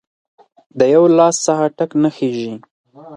د یو لاس څخه ټک نه خیژي